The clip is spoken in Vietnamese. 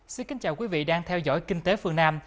xin kính chào quý vị đang theo dõi kinh tế phương nam